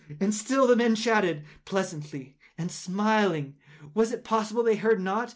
And still the men chatted pleasantly, and smiled. Was it possible they heard not?